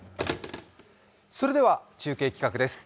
それでは中継企画です。